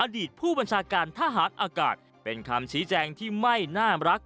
อดีตผู้บัญชาการทหารอากาศเป็นคำชี้แจงที่ไม่น่ารัก